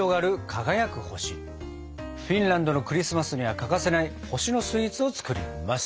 フィンランドのクリスマスには欠かせない星のスイーツを作ります！